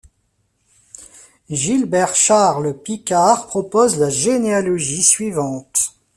Gilbert-Charles Picard propose la généalogie suivante.